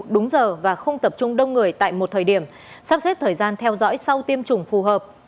đúng giờ và không tập trung đông người tại một thời điểm sắp xếp thời gian theo dõi sau tiêm chủng phù hợp